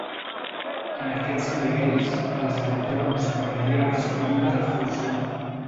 En aquests nivells, els entorns familiars fan de refugi.